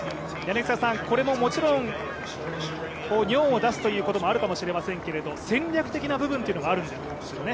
これも、尿を出すということもあるかもしれませんけど、戦略的な部分というのがあるんですよね？